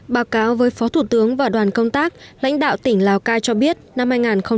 báo cáo với phó thủ tướng và đoàn công tác lãnh đạo tỉnh lào cai cho biết năm hai nghìn một mươi chín